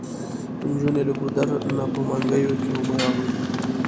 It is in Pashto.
انجونې له ګودر نه په منګيو کې اوبه راوړي.